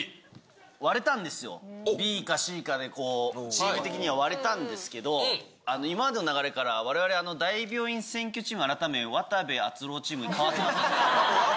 割れたんですよ、ＢかＣかでチーム的には割れたんですけど、今までの流れから、われわれ大病院占拠チーム改め渡部篤郎チームに変わってますから。